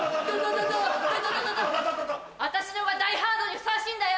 私のがダイ・ハードにふさわしいんだよ！